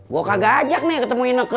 gue kagak ajak nih ketemu ineke